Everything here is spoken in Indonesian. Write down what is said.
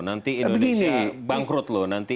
nanti indonesia bangkrut loh